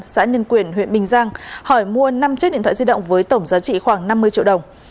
xã nhân quyền huyện bình giang hỏi mua năm chiếc điện thoại di động với tổng giá trị khoảng năm mươi triệu đồng